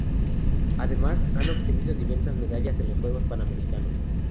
Además han obtenido diversas medalla en Juegos Panamericanos.